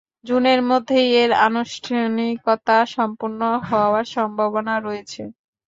জুনের মধ্যেই এর আনুষ্ঠানিকতা সম্পন্ন হওয়ার সম্ভাবনা রয়েছে।